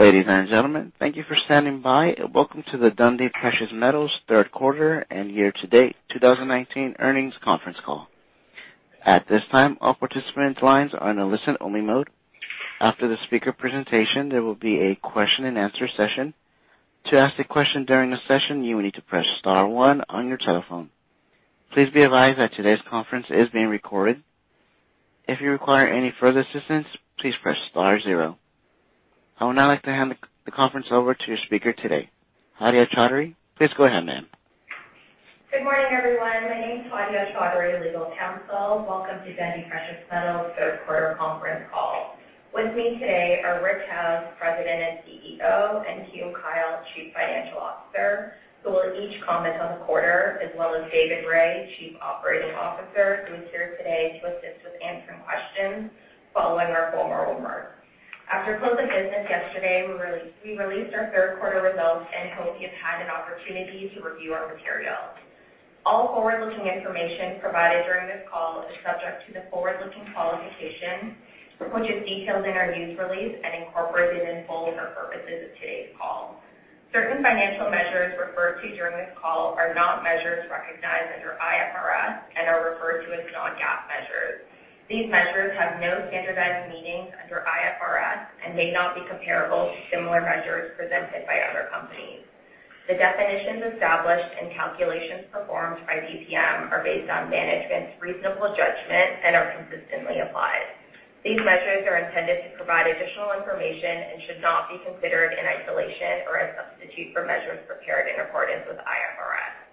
Ladies and gentlemen, thank you for standing by. Welcome to the Dundee Precious Metals third quarter and year-to-date 2019 earnings conference call. At this time, all participant lines are in a listen-only mode. After the speaker presentation, there will be a question-and-answer session. To ask a question during the session, you will need to press star one on your telephone. Please be advised that today's conference is being recorded. If you require any further assistance, please press star zero. I would now like to hand the conference over to your speaker today, Nadia Choudhury. Please go ahead, ma'am. Good morning, everyone. My name is Nadia Choudhury, legal counsel. Welcome to Dundee Precious Metals' third quarter conference call. With me today are Rick Howes, President and CEO, and Hume Kyle, Chief Financial Officer, who will each comment on the quarter, as well as David Rae, Chief Operating Officer, who is here today to assist with answering questions following our formal remarks. After close of business yesterday, we released our third quarter results and hope you've had an opportunity to review our material. All forward-looking information provided during this call is subject to the forward-looking qualification, which is detailed in our news release and incorporated in full for purposes of today's call. Certain financial measures referred to during this call are not measures recognized under IFRS and are referred to as non-GAAP measures. These measures have no standardized meanings under IFRS and may not be comparable to similar measures presented by other companies. The definitions established and calculations performed by DPM are based on management's reasonable judgment and are consistently applied. These measures are intended to provide additional information and should not be considered in isolation or as substitute for measures prepared in accordance with IFRS.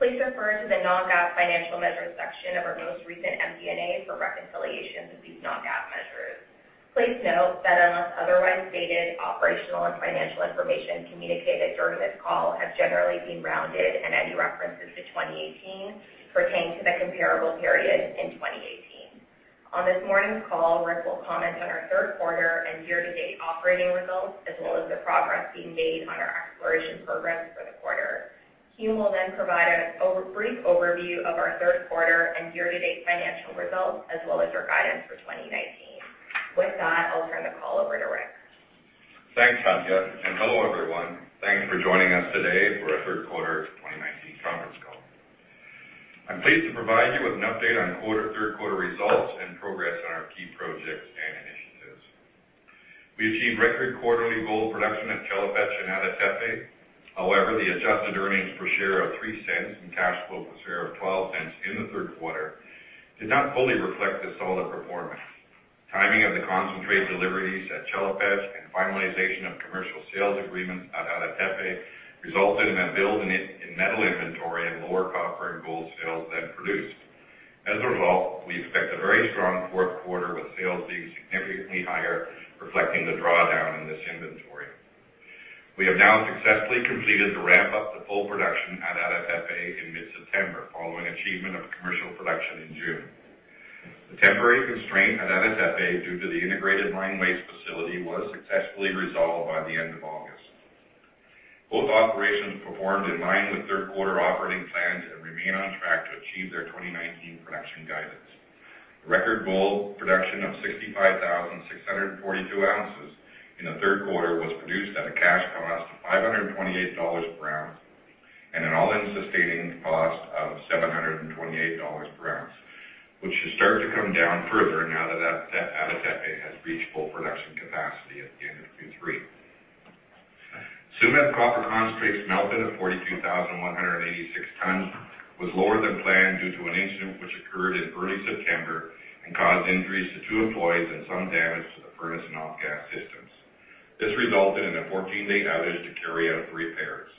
Please refer to the non-GAAP financial measures section of our most recent MD&A for reconciliations of these non-GAAP measures. Please note that unless otherwise stated, operational and financial information communicated during this call have generally been rounded, and any references to 2018 pertain to the comparable period in 2018. On this morning's call, Rick will comment on our third quarter and year-to-date operating results, as well as the progress being made on our exploration programs for the quarter. Hume will provide a brief overview of our third quarter and year-to-date financial results, as well as our guidance for 2019. With that, I'll turn the call over to Rick. Thanks, Nadia, and hello, everyone. Thanks for joining us today for our third quarter 2019 conference call. I'm pleased to provide you with an update on third quarter results and progress on our key projects and initiatives. We achieved record quarterly gold production at Chelopech and Ada Tepe. However, the adjusted earnings per share of $0.03 and cash flow per share of $0.12 in the third quarter did not fully reflect the solid performance. Timing of the concentrate deliveries at Chelopech and finalization of commercial sales agreements at Ada Tepe resulted in a build in metal inventory and lower copper and gold sales than produced. As a result, we expect a very strong fourth quarter, with sales being significantly higher, reflecting the drawdown in this inventory. We have now successfully completed the ramp-up to full production at Ada Tepe in mid-September, following achievement of commercial production in June. The temporary constraint at Ada-Tepe due to the Integrated Mine Waste Facility was successfully resolved by the end of August. Both operations performed in line with third quarter operating plans and remain on track to achieve their 2019 production guidance. Record gold production of 65,642 ounces in the third quarter was produced at a cash cost of $528 per ounce and an all-in sustaining cost of $728 per ounce, which should start to come down further now that Ada-Tepe has reached full production capacity at the end of Q3. Tsumeb copper concentrate smelt at 42,186 tons was lower than planned due to an incident which occurred in early September and caused injuries to two employees and some damage to the furnace and off-gas systems. This resulted in a 14-day outage to carry out repairs.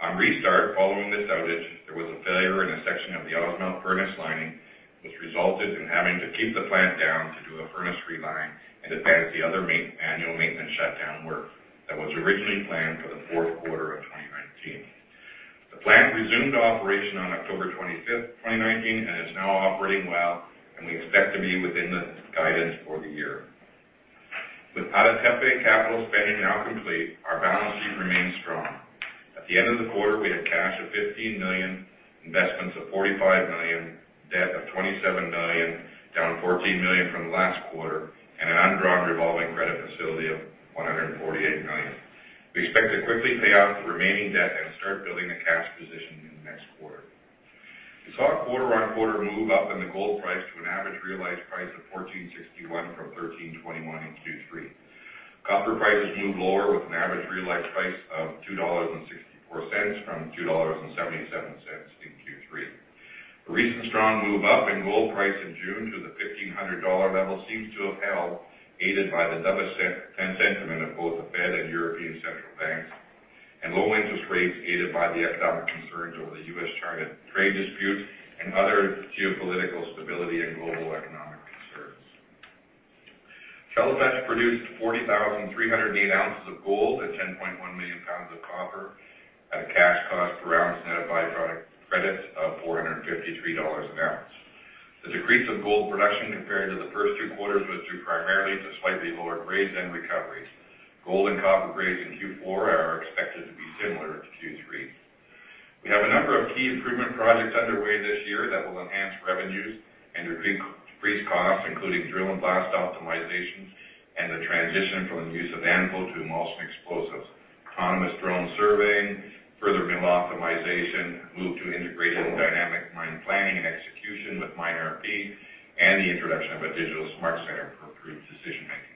On restart following this outage, there was a failure in a section of the Ausmelt furnace lining, which resulted in having to keep the plant down to do a furnace reline and advance the other annual maintenance shutdown work that was originally planned for the fourth quarter of 2019. The plant resumed operation on October 25th, 2019, and is now operating well, and we expect to be within the guidance for the year. With Ada Tepe capital spending now complete, our balance sheet remains strong. At the end of the quarter, we had cash of $15 million, investments of $45 million, debt of $27 million, down $14 million from last quarter, and an undrawn revolving credit facility of $148 million. We expect to quickly pay off the remaining debt and start building the cash position in the next quarter. We saw a quarter-on-quarter move up in the gold price to an average realized price of $1,461 from $1,321 in Q3. copper prices moved lower with an average realized price of $2.64 from $2.77 in Q3. A recent strong move up in gold price in June to the $1,500 level seems to have held, aided by the dovish sentiment of both the Fed and European Central Bank and low interest rates aided by the economic concerns over the U.S.-China trade dispute and other geopolitical stability and global economic concerns. Chelopech produced 40,308 ounces of gold and 10.1 million pounds of copper at a cash cost per ounce net of byproduct credits of $453 an ounce. The decrease of gold production compared to the first two quarters was due primarily to slightly lower grades and recoveries. Gold and copper grades in Q4 are expected to be similar to Q3. We have a number of key improvement projects underway this year that will enhance revenues and decrease costs, including drill and blast optimizations and the transition from the use of ANFO to emulsion explosives, autonomous drone surveying, further mill optimization, move to integrated dynamic mine planning and execution with MineRP, and the introduction of a digital smart center for improved decision-making.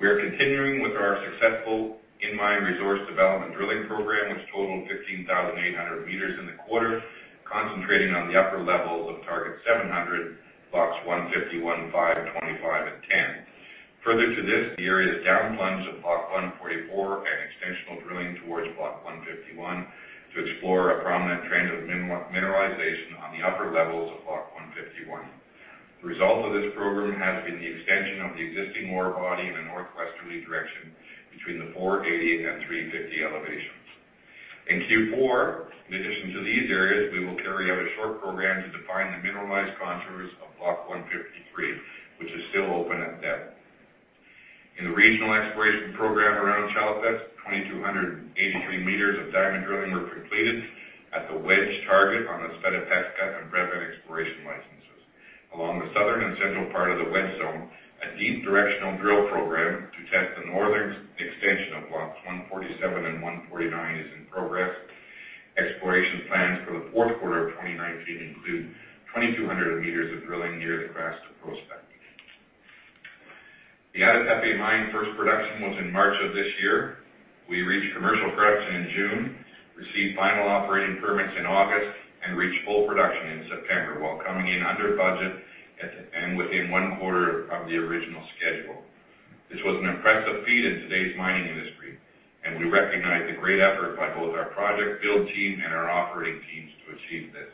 We are continuing with our successful in-mine resource development drilling program, which totaled 15,800 meters in the quarter, concentrating on the upper level of target 700, blocks 151, 5, 25, and 10. Further to this, the area down plunge of block 144 and extensional drilling towards block 151 to explore a prominent trend of mineralization on the upper levels of block 151. The result of this program has been the extension of the existing ore body in a northwesterly direction between the 480 and 350 elevations. In Q4, in addition to these areas, we will carry out a short program to define the mineralized contours of block 153, which is still open at depth. In the regional exploration program around Chelopech, 2,283 meters of diamond drilling were completed at the Wedge target on [Sveta Petka] and [Brevene] exploration licenses. Along the southern and central part of the Wedge Zone, a deep directional drill program to test the northern extension of blocks 147 and 149 is in progress. Exploration plans for the fourth quarter of 2019 include 2,200 meters of drilling near the Krasta prospect. The Ada Tepe mine first production was in March of this year. We reached commercial production in June, received final operating permits in August and reached full production in September while coming in under budget and within one quarter of the original schedule. This was an impressive feat in today's mining industry, and we recognize the great effort by both our project build team and our operating teams to achieve this.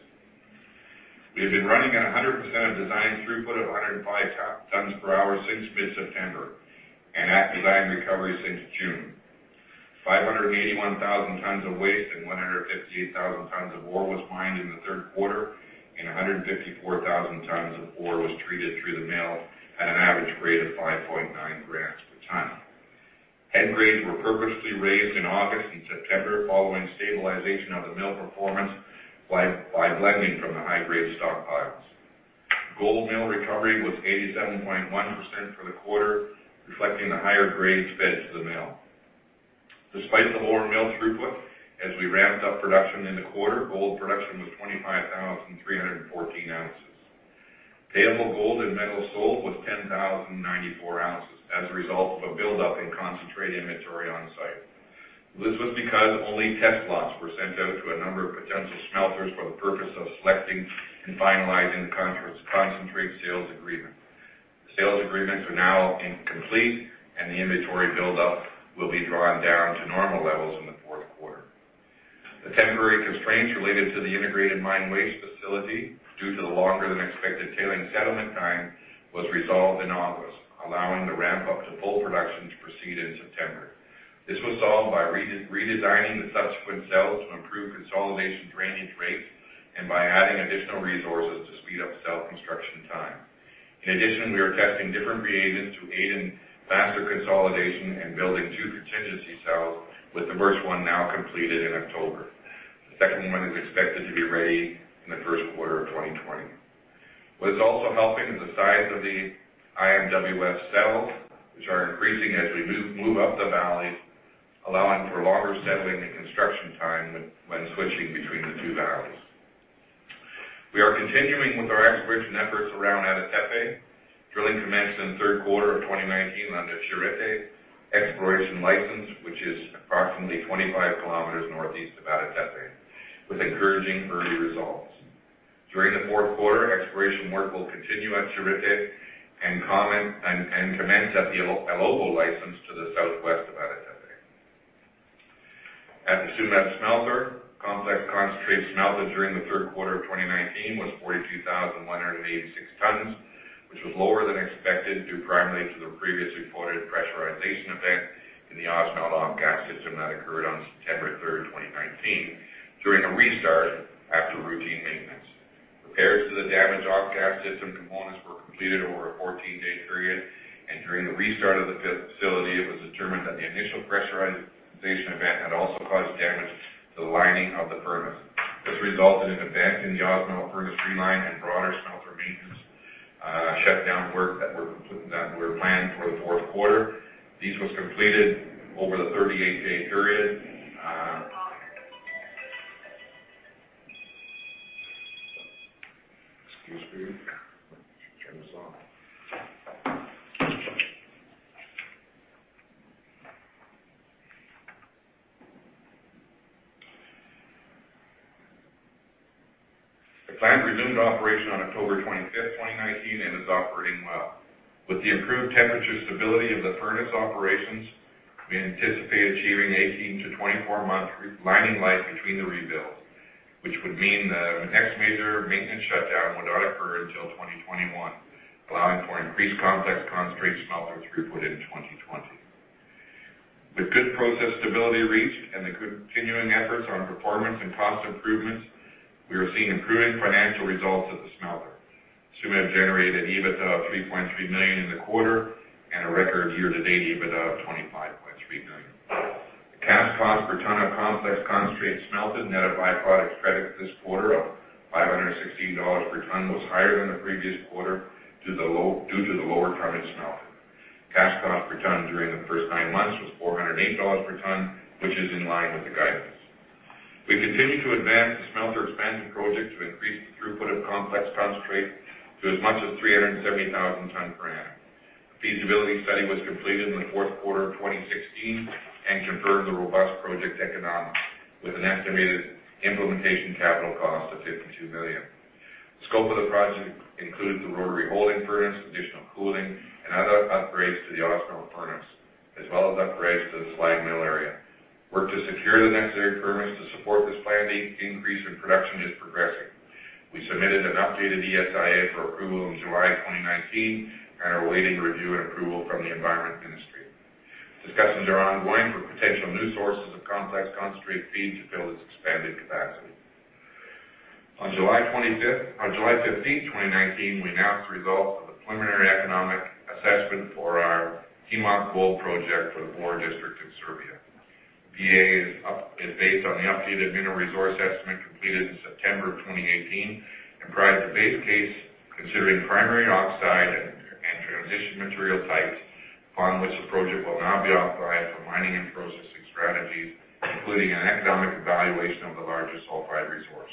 We have been running at 100% of design throughput of 105 tons per hour since mid-September and at design recovery since June. 581,000 tons of waste and 158,000 tons of ore was mined in the third quarter, and 154,000 tons of ore was treated through the mill at an average grade of 5.9 grams per ton. Head grades were purposely raised in August and September following stabilization of the mill performance by blending from the high-grade stockpiles. Gold mill recovery was 87.1% for the quarter, reflecting the higher grades fed to the mill. Despite the lower mill throughput, as we ramped up production in the quarter, gold production was 25,314 ounces. Payable gold and metal sold was 10,094 ounces as a result of a buildup in concentrate inventory on site. This was because only test blocks were sent out to a number of potential smelters for the purpose of selecting and finalizing the concentrate sales agreement. The sales agreements are now complete and the inventory buildup will be drawn down to normal levels in the fourth quarter. The temporary constraints related to the Integrated Mine Waste Facility, due to the longer than expected tailings settlement time, was resolved in August, allowing the ramp up to full production to proceed in September. This was solved by redesigning the subsequent cells to improve consolidation drainage rates and by adding additional resources to speed up cell construction time. In addition, we are testing different reagents to aid in faster consolidation and building two contingency cells, with the first one now completed in October. The second one is expected to be ready in the first quarter of 2020. What is also helping is the size of the IMWF cells, which are increasing as we move up the valley, allowing for longer settling and construction time when switching between the two valleys. We are continuing with our exploration efforts around Ada Tepe. Drilling commenced in the third quarter of 2019 on the Chiirite exploration license, which is approximately 25 kilometers northeast of Ada Tepe, with encouraging early results. During the fourth quarter, exploration work will continue at Chiirite and commence at the Elhovo license to the southwest of Ada Tepe. At the Tsumeb smelter, complex concentrate smelter during the third quarter of 2019 was 42,186 tons, which was lower than expected due primarily to the previously reported pressurization event in the Ausmelt off-gas system that occurred on September 3, 2019, during a restart after routine maintenance. Repairs to the damaged off-gas system components were completed over a 14-day period, and during the restart of the facility, it was determined that the initial pressurization event had also caused damage to the lining of the furnace. This resulted in a vent in the Ausmelt furnace re-line and broader smelter maintenance shutdown work that were planned for the fourth quarter. This was completed over the 38-day period. Excuse me. Turn this off. The plant resumed operation on October 25th, 2019, and is operating well. With the improved temperature stability of the furnace operations, we anticipate achieving 18-24 months lining life between the rebuilds, which would mean that the next major maintenance shutdown would not occur until 2021, allowing for increased complex concentrate smelter throughput in 2020. With good process stability reached and the continuing efforts on performance and cost improvements, we are seeing improving financial results at the smelter. Tsumeb generated EBITDA of $3.3 million in the quarter and a record year-to-date EBITDA of $25.3 million. The cash cost per ton of complex concentrate smelted net of by-products credit this quarter of $516 per ton was higher than the previous quarter due to the lower tonnage smelted. Cash cost per ton during the first nine months was $408 per ton, which is in line with the guidance. We continue to advance the smelter expansion project to increase the throughput of complex concentrate to as much as 370,000 tons per annum. The feasibility study was completed in the fourth quarter of 2016 and confirmed the robust project economics with an estimated implementation capital cost of $52 million. The scope of the project includes the rotary holding furnace, additional cooling, and other upgrades to the arc furnace, as well as upgrades to the slag mill area. Work to secure the necessary permits to support this planned increase in production is progressing. We submitted an updated ESIA for approval in July 2019 and are awaiting review and approval from the environment ministry. Discussions are ongoing for potential new sources of complex concentrate feed to fill this expanded capacity. On July 15, 2019, we announced the results of the preliminary economic assessment for our Timok gold project for the Bor district in Serbia. The PEA is based on the updated mineral resource estimate completed in September of 2018 and provides a base case considering primary oxide and transition material types, upon which the project will now be optimized for mining and processing strategies, including an economic evaluation of the larger sulfide resource.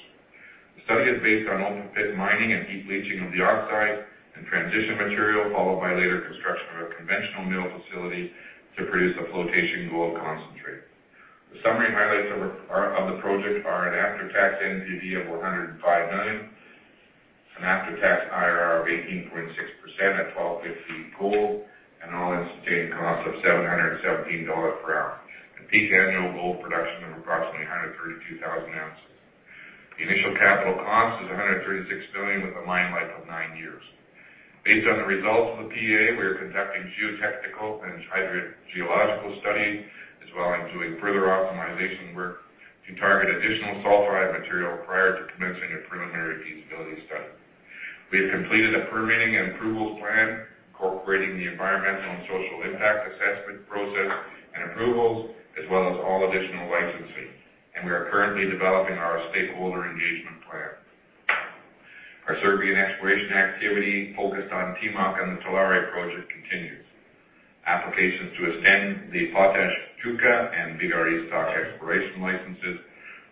The study is based on open pit mining and heap leaching of the oxide and transition material, followed by later construction of a conventional mill facility to produce a flotation gold concentrate. The summary highlights of the project are an after-tax NPV of $105 million, an after-tax IRR of 18.6% at $12.50 gold, an all-in sustaining cost of $717 per ounce, and peak annual gold production of approximately 132,000 ounces. The initial capital cost is $136 million with a mine life of nine years. Based on the results of the PEA, we are conducting geotechnical and hybrid geological studies, as well as doing further optimization work to target additional sulfide material prior to commencing a preliminary feasibility study. We have completed a permitting and approvals plan incorporating the environmental and social impact assessment process and approvals, as well as all additional licensing, and we are currently developing our stakeholder engagement plan. Our Serbian exploration activity focused on Timok and the Tulare project continues. Applications to extend the Potaj Cuka, and Bigar Istok exploration licenses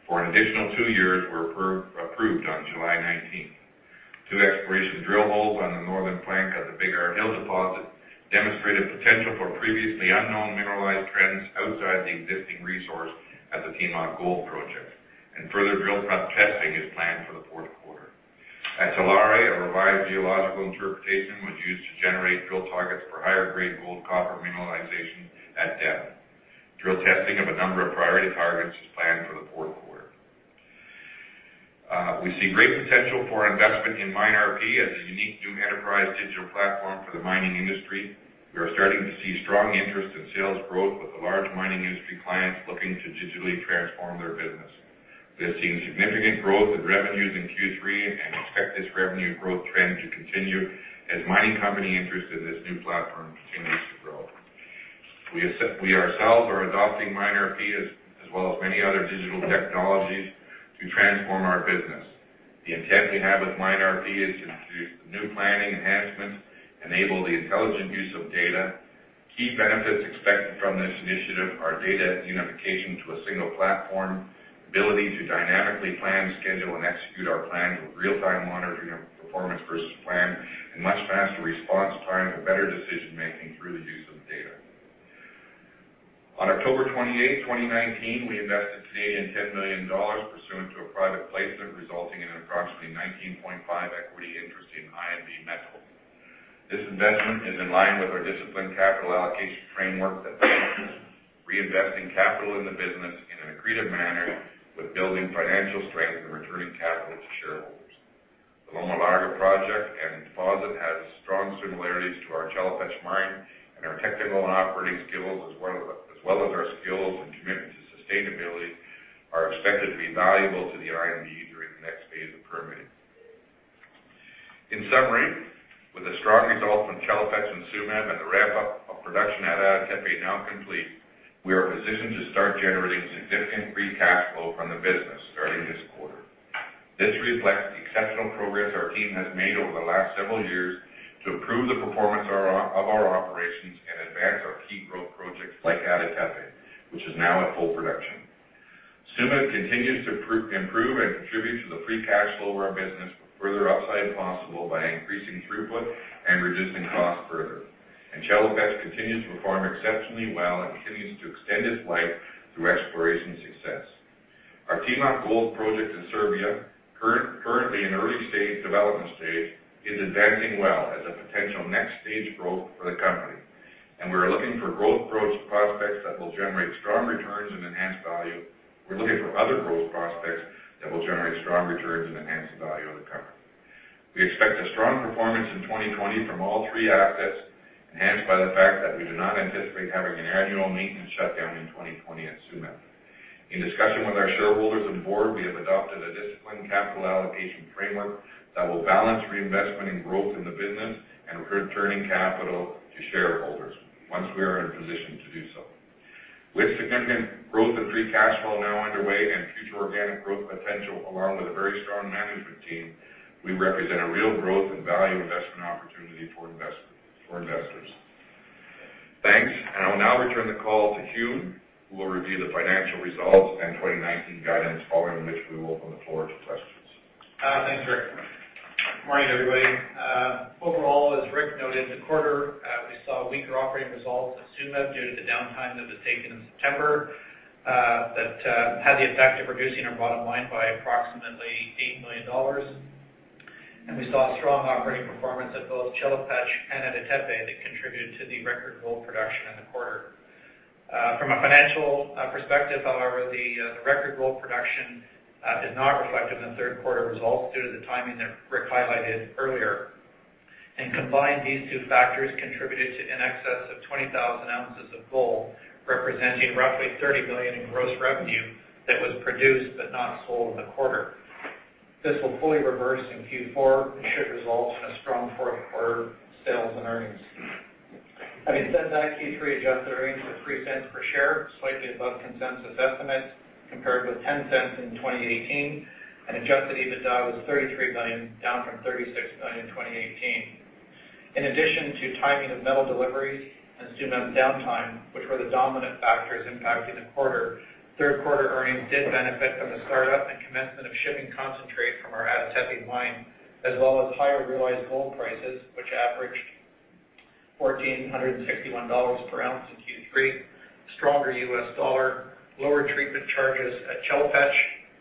for an additional two years were approved on July 19th. Two exploration drill holes on the northern flank at the Bigar Hill deposit demonstrated potential for previously unknown mineralized trends outside the existing resource at the Timok gold project, and further drill testing is planned for the fourth quarter. At Tulare, a revised geological interpretation was used to generate drill targets for higher-grade gold-copper mineralization at depth. Drill testing of a number of priority targets is planned for the fourth quarter. We see great potential for investment in MineRP as a unique new enterprise digital platform for the mining industry. We are starting to see strong interest in sales growth with the large mining industry clients looking to digitally transform their business. We have seen significant growth in revenues in Q3 and expect this revenue growth trend to continue as mining company interest in this new platform continues to grow. We ourselves are adopting MineRP, as well as many other digital technologies to transform our business. The intent we have with MineRP is to introduce some new planning enhancements, enable the intelligent use of data. Key benefits expected from this initiative are data unification to a single platform, ability to dynamically plan, schedule, and execute our plan with real-time monitoring of performance versus plan, and much faster response times and better decision-making through the use of data. On October 28, 2019, we invested 10 million dollars pursuant to a private placement resulting in an approximately 19.5% equity interest in INV Metals. This investment is in line with our disciplined capital allocation framework that balances reinvesting capital in the business in an accretive manner with building financial strength and returning capital to shareholders. The Loma Larga project and deposit has strong similarities to our Chelopech mine, our technical and operating skills, as well as our skills and commitment to sustainability, are expected to be valuable to the INV during the next phase of permitting. In summary, with the strong results from Chelopech and Tsumeb and the ramp-up of production at Ada Tepe now complete, we are positioned to start generating significant free cash flow from the business starting this quarter. This reflects the exceptional progress our team has made over the last several years to improve the performance of our operations and advance our key growth projects like Ada Tepe, which is now at full production. Tsumeb continues to improve and contribute to the free cash flow of our business with further upside possible by increasing throughput and reducing costs further. Chelopech continues to perform exceptionally well and continues to extend its life through exploration success. Our Timok gold project in Serbia, currently in early development stage, is advancing well as a potential next stage growth for the company. We are looking for other growth prospects that will generate strong returns and enhance the value of the company. We expect a strong performance in 2020 from all three assets, enhanced by the fact that we do not anticipate having an annual maintenance shutdown in 2020 at Tsumeb. In discussion with our shareholders and board, we have adopted a disciplined capital allocation framework that will balance reinvestment in growth in the business and returning capital to shareholders once we are in a position to do so. With significant growth in free cash flow now underway and future organic growth potential, along with a very strong management team, we represent a real growth in value investment opportunity for investors. Thanks. I will now return the call to Hume, who will review the financial results and 2019 guidance, following which we will open the floor to questions. Thanks, Rick. Good morning, everybody. Overall, as Rick noted, in the quarter, we saw weaker operating results at Tsumeb due to the downtime that was taken in September. That had the effect of reducing our bottom line by approximately $8 million. We saw strong operating performance at both Chelopech and at Ada Tepe that contributed to the record gold production in the quarter. From a financial perspective, however, the record gold production did not reflect in the third quarter results due to the timing that Rick highlighted earlier. Combined, these two factors contributed to in excess of 20,000 ounces of gold, representing roughly $30 million in gross revenue that was produced but not sold in the quarter. This will fully reverse in Q4 and should result in a strong fourth quarter sales and earnings. Q3 adjusted earnings of $0.03 per share, slightly above consensus estimates, compared with $0.10 in 2018. Adjusted EBITDA was $33 million, down from $36 million in 2018. In addition to timing of metal deliveries and Tsumeb's downtime, which were the dominant factors impacting the quarter, third quarter earnings did benefit from the startup and commencement of shipping concentrate from our Ada Tepe mine, as well as higher realized gold prices, which averaged $1,461 per ounce in Q3, stronger U.S. dollar, lower treatment charges at Chelopech,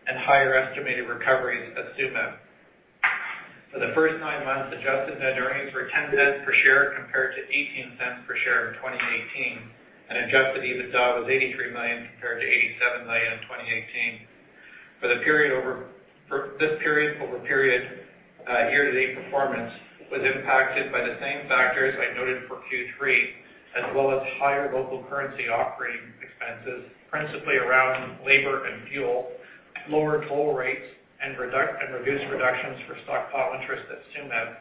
and higher estimated recoveries at Tsumeb. For the first nine months, adjusted net earnings were $0.10 per share compared to $0.18 per share in 2018. Adjusted EBITDA was $83 million compared to $87 million in 2018. This period over period year-to-date performance was impacted by the same factors I noted for Q3, as well as higher local currency operating expenses, principally around labor and fuel, lower toll rates, and reduced reductions for stockpile interest at Tsumeb,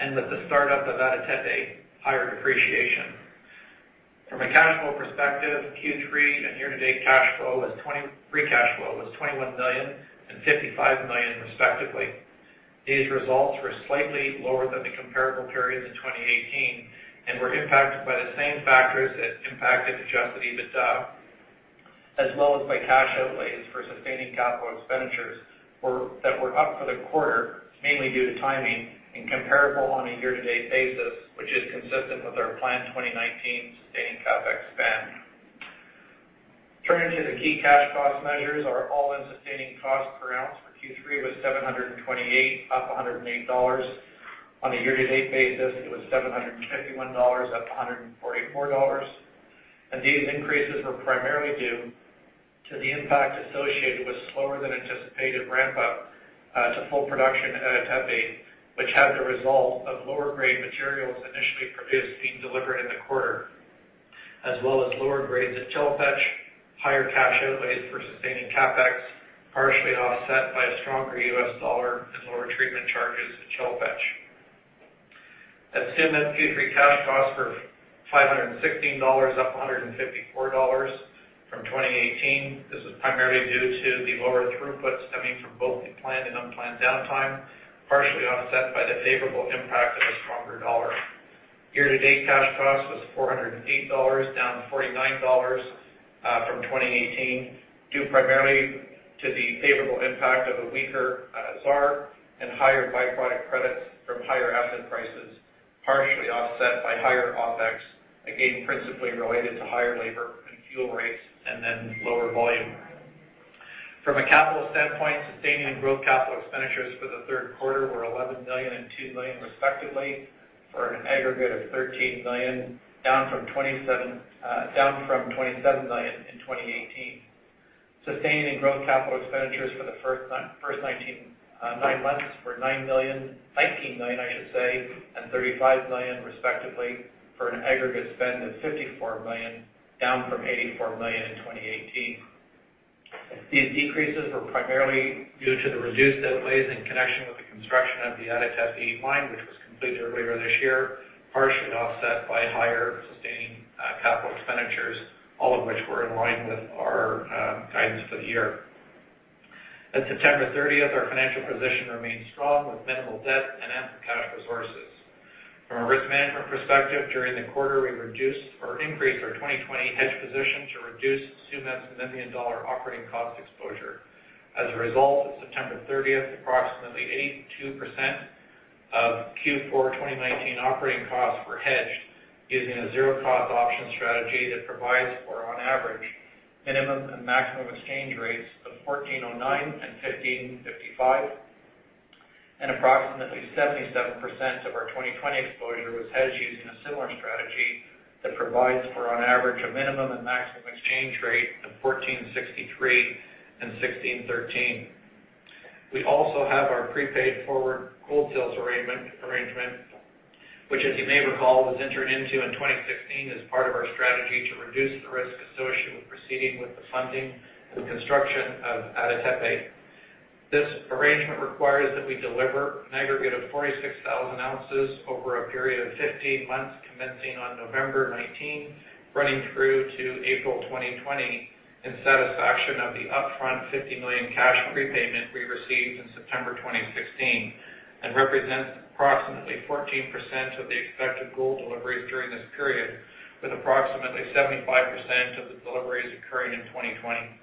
and with the startup of Ada Tepe, higher depreciation. From a cash flow perspective, Q3 and year-to-date free cash flow was $21 million and $55 million respectively. These results were slightly lower than the comparable periods in 2018 and were impacted by the same factors that impacted adjusted EBITDA, as well as by cash outlays for sustaining capital expenditures that were up for the quarter, mainly due to timing and comparable on a year-to-date basis, which is consistent with our planned 2019 sustaining CapEx spend. Turning to the key cash cost measures are all-in sustaining cost per ounce for Q3 was $728, up $108. On a year-to-date basis, it was $751, up to $144. These increases were primarily due to the impact associated with slower than anticipated ramp up to full production at Ada Tepe, which had the result of lower grade materials initially produced being delivered in the quarter, as well as lower grades at Chelopech, higher cash outlays for sustaining CapEx, partially offset by a stronger U.S. dollar and lower treatment charges at Chelopech. At Tsumeb, Q3 cash costs were $516, up $154 from 2018. This was primarily due to the lower throughput stemming from both the planned and unplanned downtime, partially offset by the favorable impact of a stronger dollar. Year-to-date cash cost was $408, down $49 from 2018, due primarily to the favorable impact of a weaker ZAR and higher byproduct credits from higher asset prices, partially offset by higher OpEx, again, principally related to higher labor and fuel rates and then lower volume. From a capital standpoint, sustaining and growth capital expenditures for the third quarter were $11 million and $2 million respectively, for an aggregate of $13 million, down from $27 million in 2018. Sustaining growth capital expenditures for the first nine months were $19 million and $35 million respectively, for an aggregate spend of $54 million, down from $84 million in 2018. These decreases were primarily due to the reduced outlays in connection with the construction of the Ada Tepe mine, which was completed earlier this year, partially offset by higher sustaining capital expenditures, all of which were in line with our guidance for the year. At September 30th, our financial position remains strong with minimal debt and ample cash resources. From a risk management perspective, during the quarter, we increased our 2020 hedge position to reduce Tsumeb's million-dollar operating cost exposure. As a result, at September 30th, approximately 82% of Q4 2019 operating costs were hedged using a zero cost collar strategy that provides for, on average, minimum and maximum exchange rates of 1,409 and 1,555, and approximately 77% of our 2020 exposure was hedged using a similar strategy that provides for, on average, a minimum and maximum exchange rate of 1,463 and 1,613. We also have our prepaid forward gold sales arrangement, which, as you may recall, was entered into in 2016 as part of our strategy to reduce the risk associated with proceeding with the funding and construction of Ada Tepe. This arrangement requires that we deliver an aggregate of 46,000 ounces over a period of 15 months, commencing on November 19, running through to April 2020, in satisfaction of the upfront $50 million cash prepayment we received in September 2016, and represents approximately 14% of the expected gold deliveries during this period, with approximately 75% of the deliveries occurring in 2020.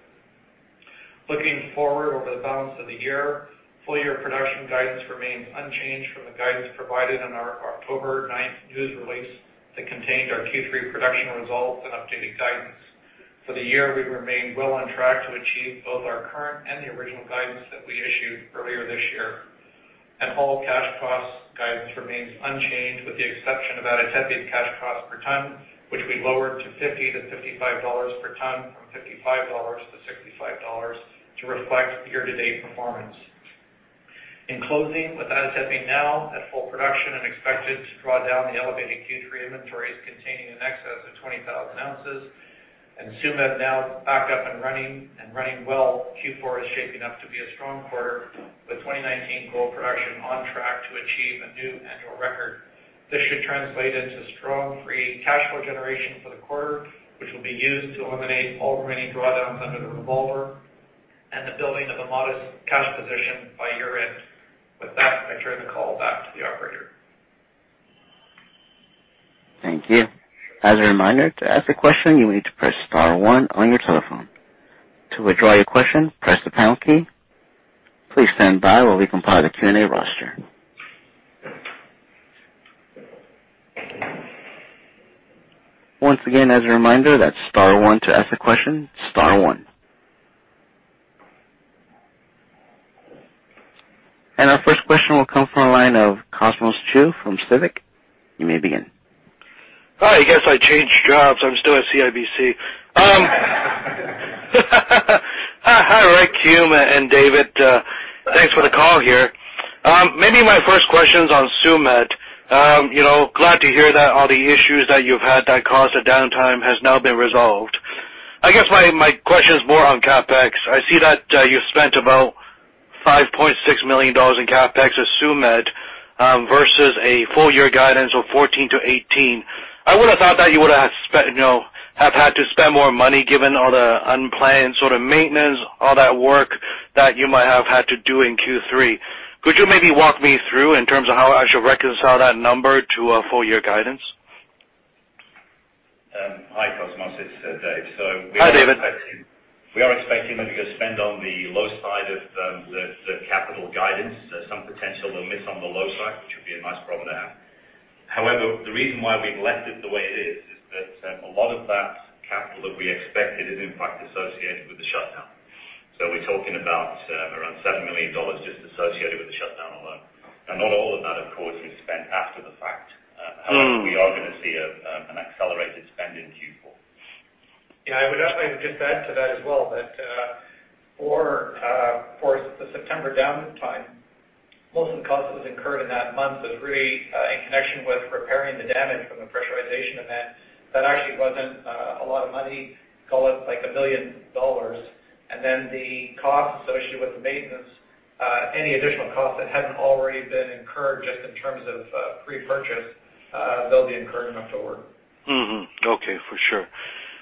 Looking forward over the balance of the year, full year production guidance remains unchanged from the guidance provided in our October 9th news release that contained our Q3 production results and updated guidance. For the year, we remain well on track to achieve both our current and the original guidance that we issued earlier this year, and all cash cost guidance remains unchanged, with the exception of Ada Tepe cash cost per ton, which we lowered to $50-$55 per ton from $55-$65 to reflect year-to-date performance. In closing, with Ada Tepe now at full production and expected to draw down the elevated Q3 inventories containing in excess of 20,000 ounces, and Tsumeb now back up and running, and running well, Q4 is shaping up to be a strong quarter, with 2019 gold production on track to achieve a new annual record. This should translate into strong free cash flow generation for the quarter, which will be used to eliminate all remaining drawdowns under the revolver and the building of a modest cash position by year-end. With that, I turn the call back to the operator. Thank you. As a reminder, to ask a question, you will need to press star one on your telephone. To withdraw your question, press the pound key. Please stand by while we compile the Q&A roster. Once again, as a reminder, that is star one to ask a question. Star one. Our first question will come from the line of Cosmos Chiu from CIBC. You may begin. Hi, I guess I changed jobs. I'm still at CIBC. Hi, Rick, Hume, and David. Thanks for the call here. Maybe my first question's on Tsumeb. Glad to hear that all the issues that you've had that caused the downtime has now been resolved. I guess my question is more on CapEx. I see that you've spent about $5.6 million in CapEx at Tsumeb, versus a full year guidance of $14 million-$18 million. I would have thought that you would have had to spend more money given all the unplanned sort of maintenance, all that work that you might have had to do in Q3. Could you maybe walk me through in terms of how I should reconcile that number to a full year guidance? Hi, Cosmos. It's Dave. Hi, David. We are expecting maybe to spend on the low side of the capital guidance. There's some potential we'll miss on the low side, which would be a nice problem to have. The reason why we've left it the way it is that a lot of that capital that we expected is in fact associated with the shutdown. We're talking about around $7 million just associated with the shutdown alone. Not all of that, of course, was spent after the fact. We are going to see an accelerated spend in Q4. Yeah, I would just add to that as well that for the September downtime, most of the costs that was incurred in that month was really in connection with repairing the damage from the pressurization event. That actually wasn't a lot of money, call it, like, $1 million. The cost associated with the maintenance, any additional cost that hadn't already been incurred just in terms of pre-purchase, they'll be incurred going forward. Okay. For sure.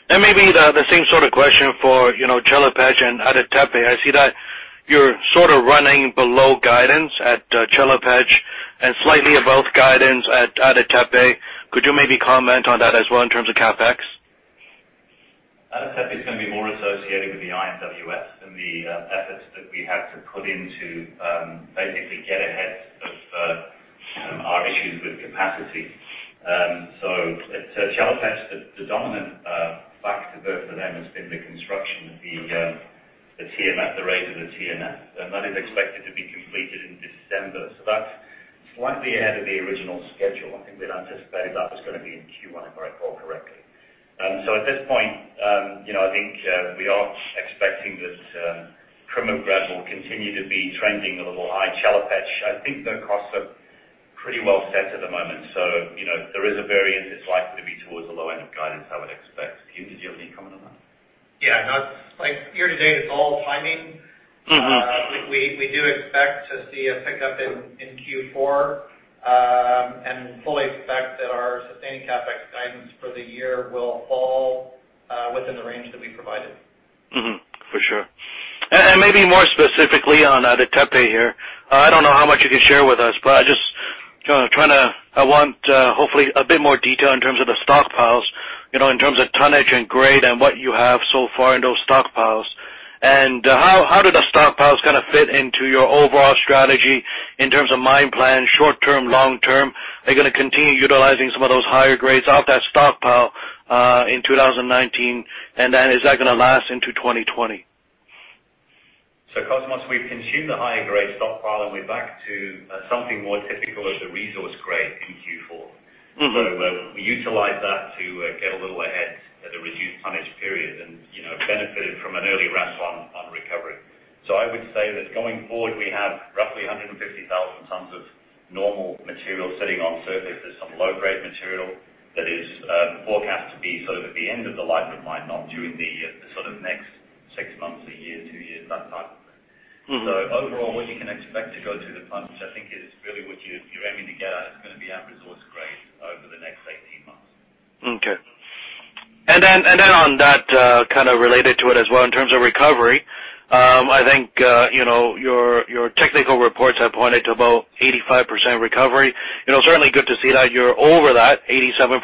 Maybe the same sort of question for Chelopech and Ada Tepe. I see that you're sort of running below guidance at Chelopech and slightly above guidance at Ada Tepe. Could you maybe comment on that as well in terms of CapEx? Ada Tepe's going to be more associated with the IMWF than the efforts that we had to put in to basically get ahead of our issues with capacity. At Chelopech, the dominant factor for them has been the construction of the TMF, the rate of the TMF, and that is expected to be completed in December. That's slightly ahead of the original schedule. I think we'd anticipated that was going to be in Q1, if I recall correctly. At this point, I think we are expecting that crime of grab will continue to be trending a little high. Chelopech, I think their costs are pretty well set at the moment, so if there is a variance, it's likely to be towards the low end of guidance, I would expect. Hume, did you have any comment on that? Yeah, no. Year to date, it's all timing. We do expect to see a pickup in Q4, and fully expect that our sustaining CapEx guidance for the year will fall within the range that we provided. Mm-hmm. For sure. Maybe more specifically on Ada Tepe here, I don't know how much you can share with us, but I want hopefully a bit more detail in terms of the stockpiles, in terms of tonnage and grade and what you have so far in those stockpiles. How do the stockpiles kind of fit into your overall strategy in terms of mine plan, short-term, long-term? Are you going to continue utilizing some of those higher grades out of that stockpile in 2019? Is that going to last into 2020? Cosmos, we've consumed the higher grade stockpile, and we're back to something more typical as a resource grade in Q4. We utilized that to get a little ahead. The reduced tonnage period and benefited from an early ramp on recovery. I would say that going forward, we have roughly 150,000 tons of normal material sitting on surface. There's some low-grade material that is forecast to be at the end of the life of mine, not during the next six months, a year, two years, that type. Overall, what you can expect to go through the plans, which I think is really what you're aiming to get at, is going to be at resource grade over the next 18 months. Okay. On that, kind of related to it as well in terms of recovery, I think, your technical reports have pointed to about 85% recovery. Certainly good to see that you're over that 87%,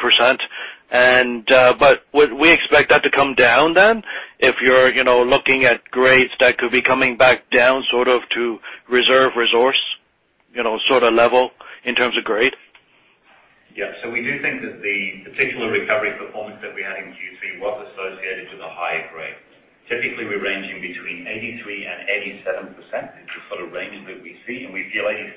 would we expect that to come down then if you're looking at grades that could be coming back down sort of to reserve resource sort of level in terms of grade? We do think that the particular recovery performance that we had in Q3 was associated with a higher grade. Typically, we're ranging between 83% and 87%. It's the sort of range that we see, and we feel 85%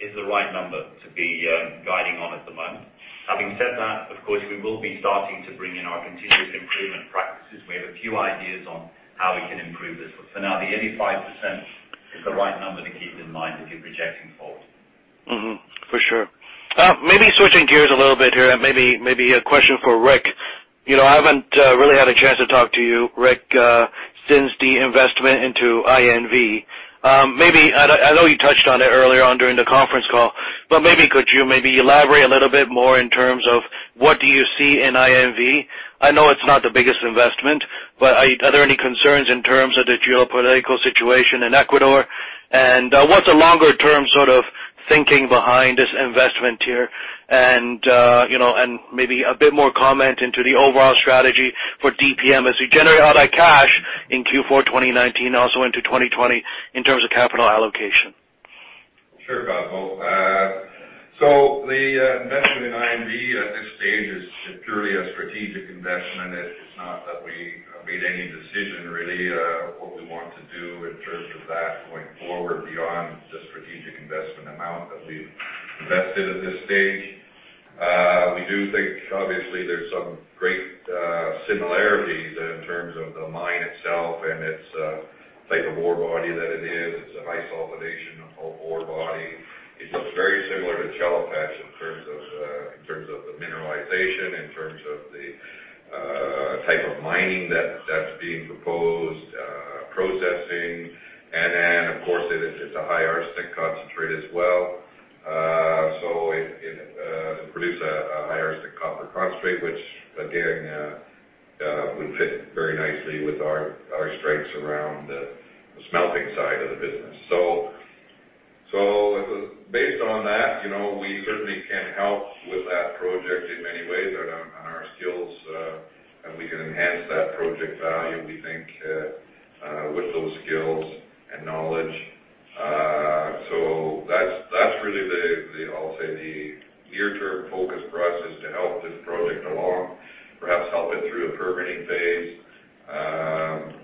is the right number to be guiding on at the moment. Having said that, of course, we will be starting to bring in our continuous improvement practices. We have a few ideas on how we can improve this, but for now, the 85% is the right number to keep in mind if you're projecting forward. For sure. Maybe switching gears a little bit here, maybe a question for Rick. I haven't really had a chance to talk to you, Rick, since the investment into INV. I know you touched on it earlier on during the conference call, maybe could you maybe elaborate a little bit more in terms of what do you see in INV? I know it's not the biggest investment, are there any concerns in terms of the geopolitical situation in Ecuador? What's the longer-term sort of thinking behind this investment here and maybe a bit more comment into the overall strategy for DPM as we generate all that cash in Q4 2019, also into 2020 in terms of capital allocation? Sure, Cosmos. The investment in INV at this stage is purely a strategic investment. It's not that we made any decision really, what we want to do in terms of that going forward beyond the strategic investment amount that we've invested at this stage. We do think obviously there's some great similarities in terms of the mine itself and its type of ore body that it is. It's a high-sulfidation ore body. It looks very similar to Chelopech in terms of the mineralization, in terms of the type of mining that's being proposed, processing, of course, it's a high arsenic concentrate as well. It produce a high arsenic copper concentrate, which again would fit very nicely with our strengths around the smelting side of the business. Based on that, we certainly can help with that project in many ways on our skills, and we can enhance that project value, we think, with those skills and knowledge. That's really the, I'll say, the near-term focus for us is to help this project along, perhaps help it through a permitting phase.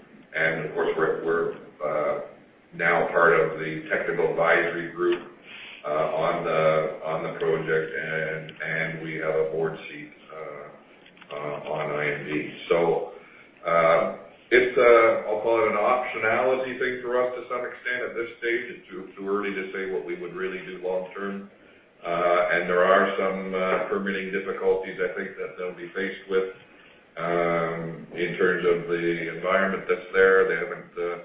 Of course, we're now part of the technical advisory group on the project, and we have a board seat on INV. It's, I'll call it an optionality thing for us to some extent. At this stage, it's too early to say what we would really do long term. There are some permitting difficulties, I think, that they'll be faced with, in terms of the environment that's there. They haven't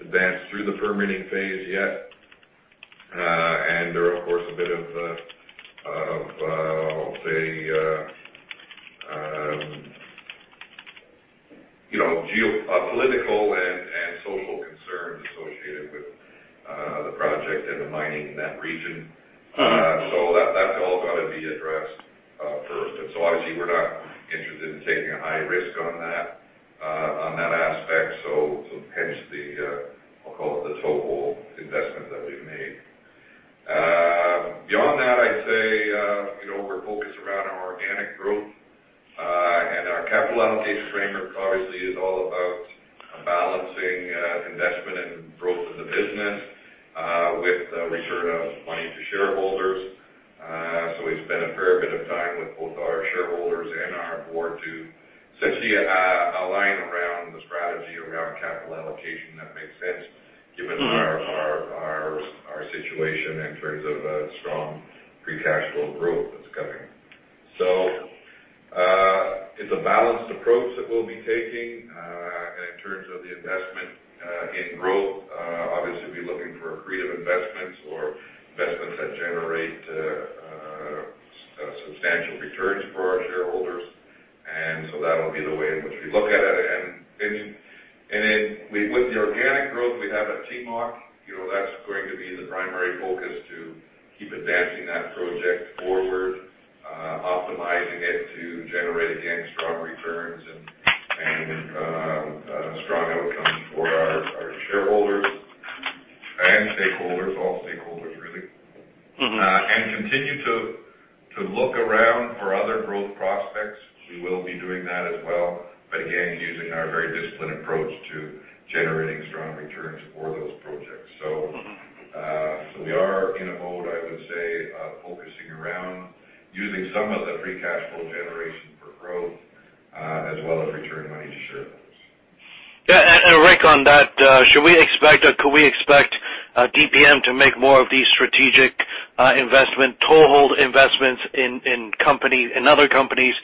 advanced through the permitting phase yet. There are, of course, a bit of, I'll say geopolitical and social concerns associated with the project and the mining in that region. That's all got to be addressed first. Obviously, we're not interested in taking a high risk on that aspect. Hence the, I'll call it the toe hold investment that we've made. Beyond that, I'd say, we're focused around our organic growth. Our capital allocation framework obviously is all about balancing investment and growth of the business, with return of money to shareholders. We've spent a fair bit of time with both our shareholders and our board to essentially align around the strategy around capital allocation that makes sense given our situation in terms of strong free cash flow growth that's coming. It's a balanced approach that we'll be taking, in terms of the investment in growth. Obviously, be looking for accretive investments or investments that generate substantial returns for our shareholders. That'll be the way in which we look at it. With the organic growth we have at Timok, that's going to be the primary focus to keep advancing that project forward, optimizing it to generate, again, strong returns and strong outcomes for our shareholders and stakeholders, all stakeholders really. Continue to look around for other growth prospects. We will be doing that as well. Again, using our very disciplined approach to generating strong returns for those projects. We are in a mode, I would say, focusing around using some of the free cash flow generation for growth, as well as returning money to shareholders. Yeah. Rick, on that, should we expect or could we expect DPM to make more of these strategic investment toehold investments in other companies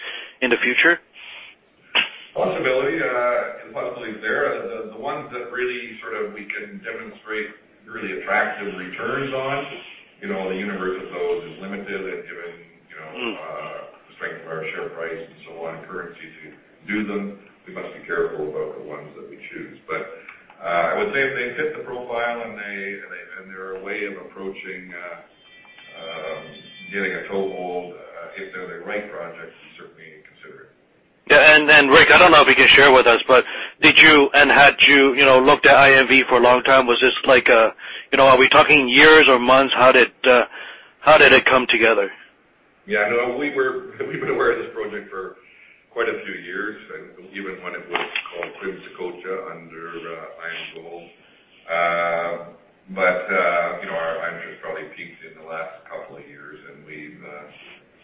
in the future? Possibility. The possibility is there. The ones that really we can demonstrate really attractive returns on, the universe of those is limited and given the strength of our share price and so on, currency to do them, we must be careful about the ones that we choose. I would say if they fit the profile and they're a way of approaching getting a toehold, if they're the right projects, we'll certainly consider it. Yeah. Rick, I don't know if you can share with us, but did you and had you looked at INV for a long time? Are we talking years or months? How did it come together? Yeah, no. We've been aware of this project for quite a few years, and even when it was called Quimsacocha under IAMGOLD. Our interest probably peaked in the last couple of years, and we've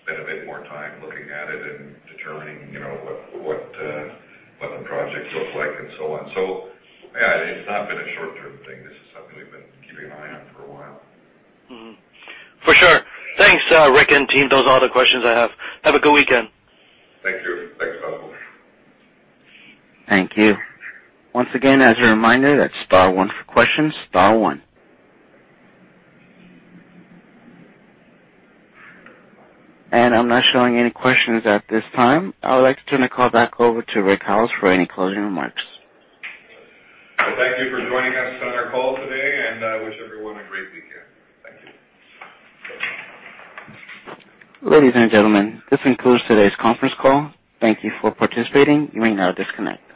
spent a bit more time looking at it and determining what the projects look like and so on. Yeah, it's not been a short-term thing. This is something we've been keeping an eye on for a while. For sure. Thanks, Rick and team. Those are all the questions I have. Have a good weekend. Thank you. Thanks. [inaudible] Thank you. Once again, as a reminder, that's star one for questions, star one. I'm not showing any questions at this time. I would like to turn the call back over to Rick Howes for any closing remarks. Well, thank you for joining us on our call today, and I wish everyone a great weekend. Thank you. Ladies and gentlemen, this concludes today's conference call. Thank you for participating. You may now disconnect.